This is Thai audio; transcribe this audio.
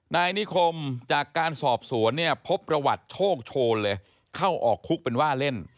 นายนิคมจากการสอบสวนเนี่ยพบประวัติโชคโชนเลยเข้าออกคุกเป็นว่าเล่น